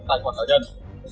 tại quản lý cao nhân